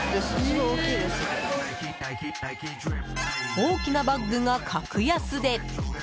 大きなバッグが格安で。